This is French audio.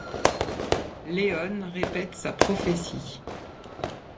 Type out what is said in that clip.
Leone répète sa prophétie.